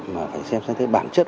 mà phải xem xét bản chất